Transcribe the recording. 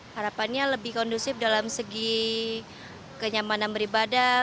harapannya lebih kondusif dalam segi kenyamanan beribadah